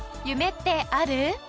夢ってある？